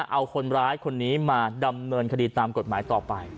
เอาคนร้ายคนนี้มาดำเนินคดีตามกฎหมายต่อไป